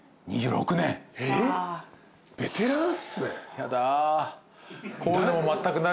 やだ。